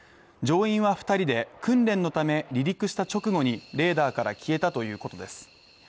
乗員は２人で、訓練のため離陸した直後にレーダーから消えたということです。